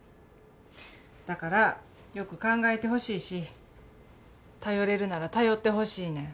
だからよく考えてほしいし頼れるなら頼ってほしいねん。